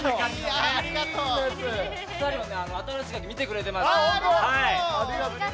２人は「新しいカギ」見てくれてます？